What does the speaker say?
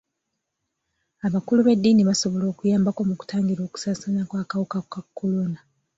Abakulu b'edddiini basobola okuyambako mu kutangira okusaasaana kw'akawuka ka kolona.